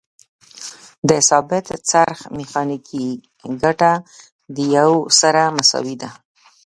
د ثابت څرخ میخانیکي ګټه د یو سره مساوي ده.